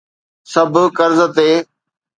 سڀ قرض تي.